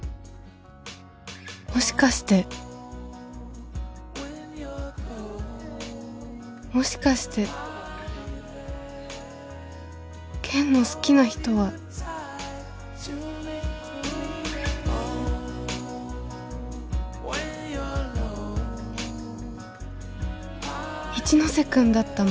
もしかしてもしかして健の好きな人は一ノ瀬君だったの？